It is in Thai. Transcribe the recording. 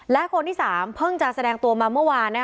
และคนที่๓เพิ่งจะแสดงตัวมาเมื่อวาน